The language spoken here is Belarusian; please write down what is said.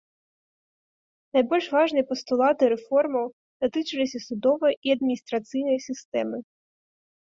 Найбольш важныя пастулаты рэформаў датычыліся судовай і адміністрацыйнай сістэмы.